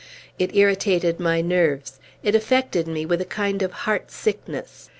It irritated my nerves; it affected me with a kind of heart sickness.